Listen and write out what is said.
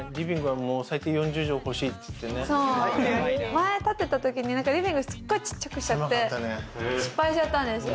前建てたときにリビングすっごいちっちゃくしちゃって、失敗しちゃったんですよ。